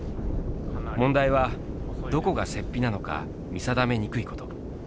問題はどこが雪庇なのか見定めにくいこと。